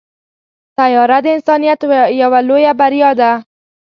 طیاره د انسانیت یوه لویه بریا ده.